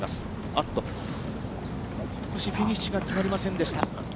あっと、少しフィニッシュが決まりませんでした。